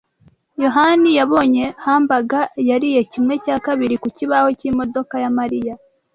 yohani yabonye hamburger yariye kimwe cya kabiri ku kibaho cyimodoka ya Mariya.